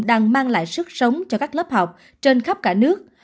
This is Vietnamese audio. đang mang lại sức sống cho các lớp học trên khắp cả nước